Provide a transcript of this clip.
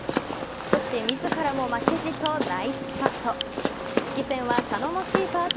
そして自らも負けじとナイスパット。